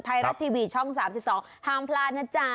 ไทยรัฐทีวีช่อง๓๒ห้ามพลาดนะจ๊ะ